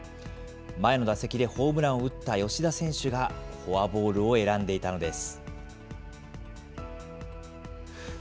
前の打席でホームランを打った吉田選手が、フォアボールを選んでいたのです。